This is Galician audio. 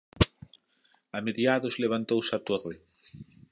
A mediados levantouse a torre.